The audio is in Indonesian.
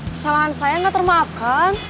kesalahan saya gak termaafkan